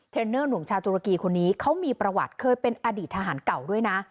เนอร์หนุ่มชาวตุรกีคนนี้เขามีประวัติเคยเป็นอดีตทหารเก่าด้วยนะ